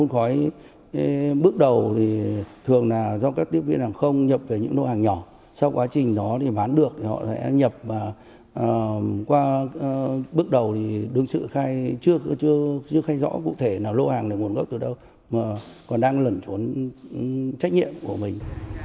không nhập về những lộ hàng nhỏ sau quá trình đó thì bán được thì họ sẽ nhập qua bước đầu thì đứng sự khai chưa khai rõ cụ thể là lộ hàng là nguồn gốc từ đâu mà còn đang lẩn trốn trách nhiệm của mình